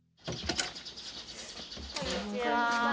こんにちは。